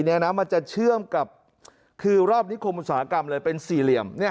มันจะเชื่อมกับคือรอบนิคมอุตสาหกรรมเลยเป็นสี่เหลี่ยม